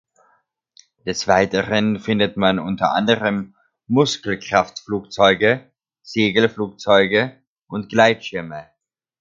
Des Weiteren findet man unter anderem Muskelkraft-Flugzeuge, Segelflugzeuge und Gleitschirme.